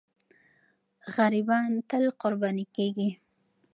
غریبان تل قرباني کېږي.